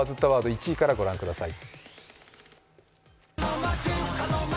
１位からご覧ください。